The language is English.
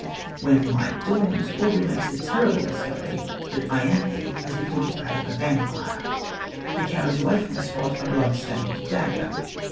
When light dawns, Aubrey makes the terrible discovery that Ianthe has become the prey of a vampire. He carries away from the spot a blood stained dagger.